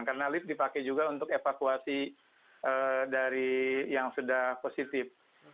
karena lift dipakai juga untuk evakuasi dari yang sudah positif